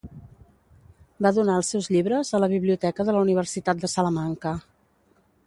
Va donar els seus llibres a la biblioteca de la Universitat de Salamanca.